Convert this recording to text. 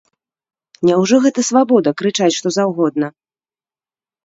Няўжо гэта свабода, крычаць, што заўгодна?